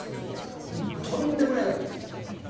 とんでもない額ですよ。